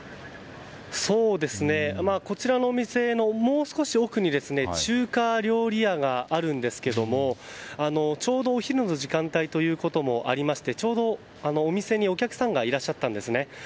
こちらのお店のもう少し奥に中華料理屋があるんですがちょうどお昼の時間帯ということもありましてちょうどお店にお客さんがいらっしゃったんですね。